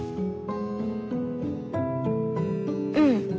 うん。